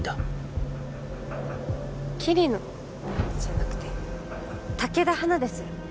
桐野じゃなくて武田花です。